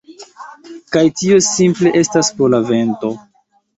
Kaj tio simple estas pro la vento.